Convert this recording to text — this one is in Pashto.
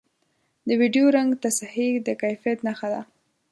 د ویډیو رنګ تصحیح د کیفیت نښه ده